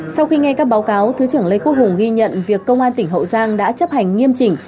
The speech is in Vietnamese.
sau khi nghe các báo cáo thứ trưởng lê quốc hùng ghi nhận việc công an tỉnh hậu giang đã chấp hành nghiêm chỉnh